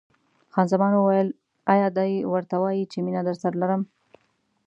خان زمان وویل: ایا دی ورته وایي چې مینه درسره لرم؟